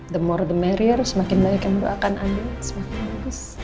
the more the merrier semakin baik yang berdoakan angin semakin bagus